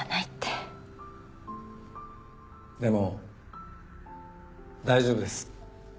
でも大丈夫です。